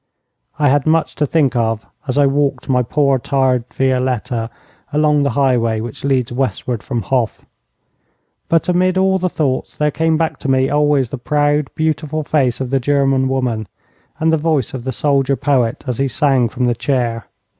I had much to think of as I walked my poor, tired Violette along the highway which leads westward from Hof. But amid all the thoughts there came back to me always the proud, beautiful face of the German woman, and the voice of the soldier poet as he sang from the chair.